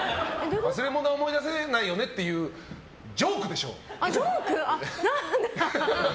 忘れ物は思い出せないんだよねっていうジョークでしょ！